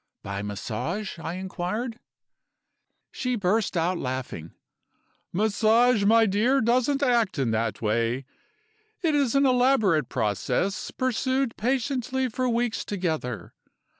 "'By Massage?' I inquired. "She burst out laughing. 'Massage, my dear, doesn't act in that way. It is an elaborate process, pursued patiently for weeks together.